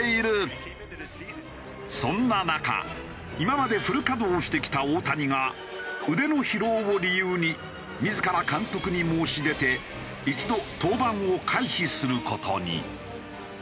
そんな中今までフル稼働してきた大谷が腕の疲労を理由に自ら監督に申し出て一度登板を回避する事に。